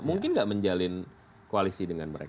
mungkin gak menjalin koalisi dengan mereka